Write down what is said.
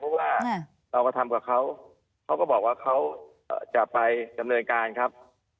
เพราะว่าเรามาทำกับเขาเขาก็บอกว่าเขาจะไปดำเนินการครับ